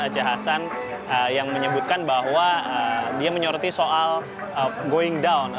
j hasan yang menyebutkan bahwa dia menyoroti soal going down